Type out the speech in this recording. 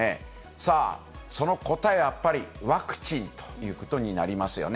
さあ、その答えはやっぱりワクチンということになりますよね。